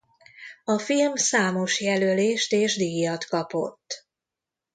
A film számos jelölést és díjat kapott.